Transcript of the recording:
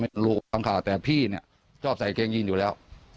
รู้บางข่าวแต่พี่เนี่ยชอบใส่เกงยีนอยู่แล้ว